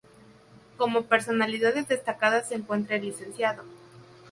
Como personalidades destacadas se encuentra el Lic.